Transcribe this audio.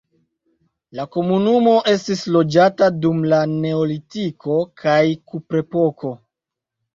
La komunumo estis loĝata dum la neolitiko kaj kuprepoko.